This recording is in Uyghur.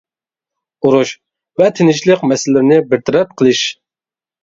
ئۇرۇش ۋە تىنچلىق مەسىلىلىرىنى بىر تەرەپ قىلىش.